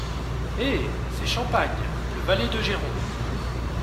Eh ! c’est Champagne, le valet De Géronte…